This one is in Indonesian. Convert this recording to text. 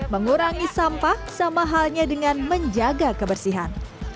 mengurangi sampah sama halnya dengan menjaga kebersihan